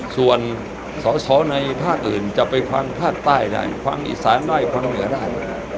ส่วนสอสอในภาคอื่นจะไปฟังภาคใต้ได้ฟังอีสานได้ฟังเหนือได้